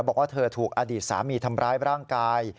บอกว่าเธอถูกอดีตสามีทำร้ายร่างกาย